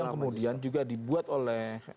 yang kemudian juga dibuat oleh